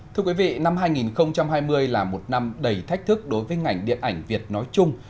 thưa quý vị năm hai nghìn hai mươi là một năm đầy thách thức đối với ngành điện ảnh việt nói chung